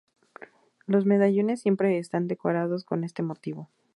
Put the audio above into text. Los medallones siempre están decorados con este motivo.